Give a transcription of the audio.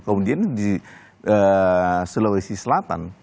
kemudian di sulawesi selatan